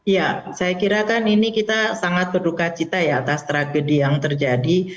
ya saya kira kan ini kita sangat berduka cita ya atas tragedi yang terjadi